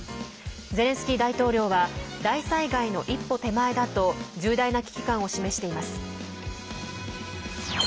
ゼレンスキー大統領は大災害の一歩手前だと重大な危機感を示しています。